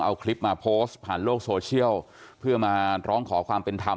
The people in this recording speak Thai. เอาคลิปมาโพสต์ผ่านโลกโซเชียลเพื่อมาร้องขอความเป็นธรรม